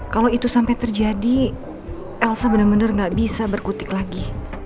kalau itu sampai terjadi elsa bener bener ga bisa berkutik lagi